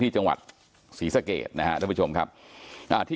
ที่จังหวัดศีสเกตนะครับท่านผู้ผู้ผู้ชมครับกล้าที่